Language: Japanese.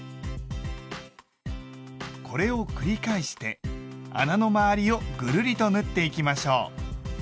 これを繰り返して穴の周りをぐるりと縫っていきましょう。